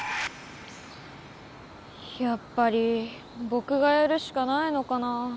やっぱりぼくがやるしかないのかな。